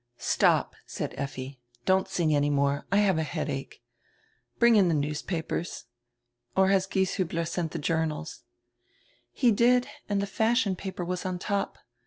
"Stop," said Effi, "don't sing any more; I have a head ache. Bring in die newspapers. Or has Gieshiibler sent die journals?" "He did, and die fashion paper was on top.